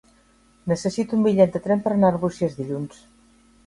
Necessito un bitllet de tren per anar a Arbúcies dilluns.